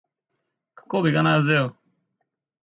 Kako bi ga naj vzel?